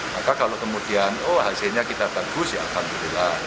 maka kalau kemudian oh hasilnya kita bagus ya alhamdulillah